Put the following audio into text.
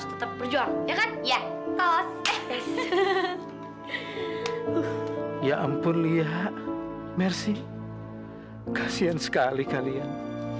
saya cari kamu sekarang